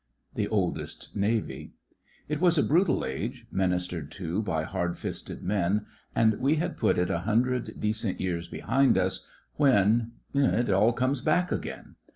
THE OLDEST NAVY It was a brutal age, ministered to by hard fisted men, and we had put it a hundred decent years behind us when — it all comes back again!